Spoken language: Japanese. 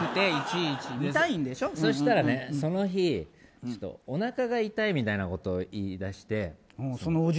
そうしたら、その日おなかが痛いみたいなことを言い出して。